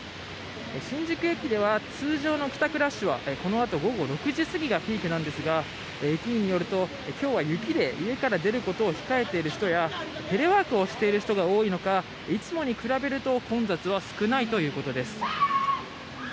新宿駅では通常の帰宅ラッシュはこのあと午後６時過ぎがピークなんですが駅員によると今日は雪で家から出ることを控えている人やテレワークをしている人が多いのかいつもに比べると混雑は少ないということです。